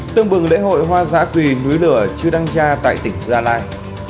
tương bừng lễ hội hoa giã quỳ núi lửa chưa đăng gia tại tỉnh gia lai